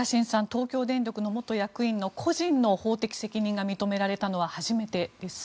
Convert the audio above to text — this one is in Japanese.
東京電力の元役員の個人の法的責任が認められたのは初めてです。